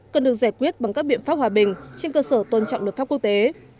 cần được giải quyết bằng các biện pháp hòa bình trên cơ sở tôn trọng luật pháp quốc tế